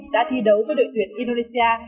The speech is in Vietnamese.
đã thi đấu với đội tuyển indonesia